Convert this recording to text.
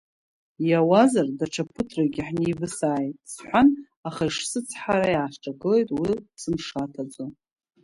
Иауазар, даҽа ԥыҭракгьы ҳнеивысааит, – сҳәан, аха ишсыцҳара иаасҿагылеит уи, сымшаҭаӡо.